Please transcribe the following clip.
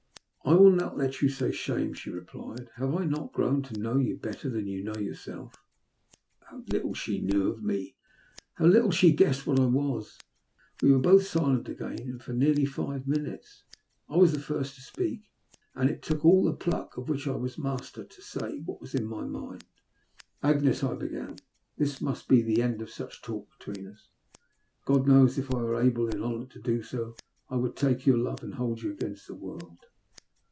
" I will not let you say ' shame,' " she repUei, "Have I not grown to know you better than you know yourself?" How little she knew of me ! How little she guessed what I was ! We were both silent again, and for nearly five minutes. I was the first to speak. And it took all the pluck of which I was master to say what was in my mind. " Agnes," I began, " this must be the end of such talk between us. God knows, if I were able in honour to do so, I would take your love, and hold you against the world.